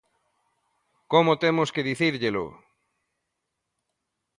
¡¿Como temos que dicírllelo?!